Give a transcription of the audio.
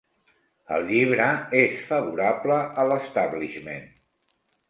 El llibre és favorable a l'establishment.